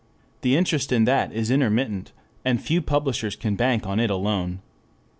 The interest in that is intermittent, and few publishers can bank on it alone.